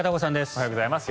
おはようございます。